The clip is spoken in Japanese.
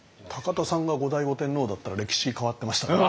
田さんが後醍醐天皇だったら歴史変わってましたね。